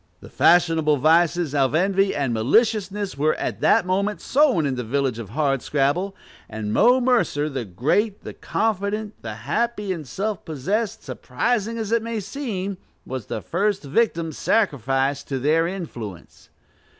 The fashionable vices of envy and maliciousness were that moment sown in the village of Hardscrabble; and Mo Mercer, the great, the confident, the happy and self possessed, surprising as it may seem, was the first victim sacrificed to their influence.